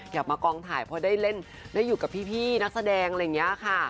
อยากมากองถ่ายเพราะได้เล่นได้อยู่กับพี่นักแสดงอะไรอย่างนี้ค่ะ